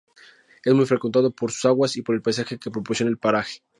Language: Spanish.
Es muy frecuentado por sus aguas, y por el paisaje que proporciona el paraje.